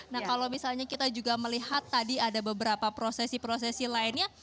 nah kalau misalnya kita juga melihat tadi ada beberapa prosesi prosesi lainnya